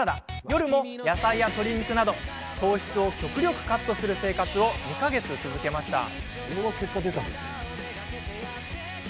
夜も野菜や鶏肉など糖質を極力カットする生活を２か月、続けました。